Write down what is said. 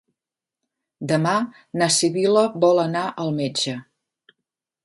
Demà na Sibil·la vol anar al metge.